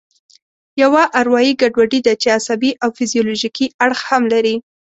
یوه اروایي ګډوډي ده چې عصبي او فزیولوژیکي اړخ هم لري.